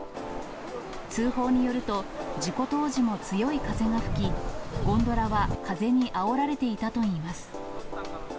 通報によると、事故当時も強い風が吹き、ゴンドラは風にあおられていたといいます。